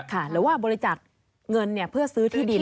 หรือว่าบริจาคเงินเพื่อซื้อที่ดิน